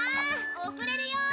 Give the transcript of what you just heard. おくれるよ！